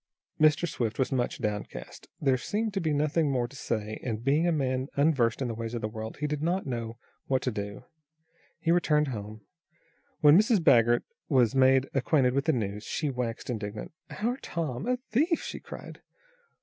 Mr. Swift was much downcast. There seemed to be nothing more to say, and, being a man unversed in the ways of the world, he did not know what to do. He returned hone. When Mrs. Baggert was made acquainted with the news, she waxed indignant. "Our Tom a thief!" she cried.